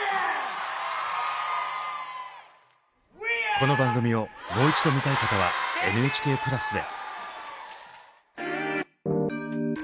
この放送をもう一度見たい方はＮＨＫプラスで。